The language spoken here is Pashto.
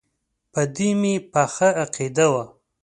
په دې مې پخه عقیده وه.